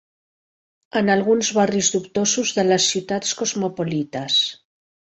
...en alguns barris dubtosos de les ciutats cosmopolites.